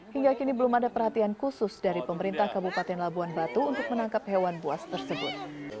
hingga kini belum ada perhatian khusus dari pemerintah kabupaten labuan batu untuk menangkap hewan buas tersebut